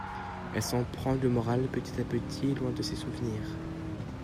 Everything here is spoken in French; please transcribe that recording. Elle semble reprendre le moral petit à petit loin de ses souvenirs.